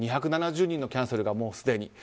２７０人のキャンセルがすでに。